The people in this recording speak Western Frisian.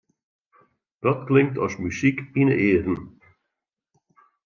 Dat klinkt as muzyk yn 'e earen.